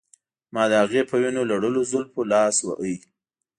ما د هغې په وینو لړلو زلفو لاس واهه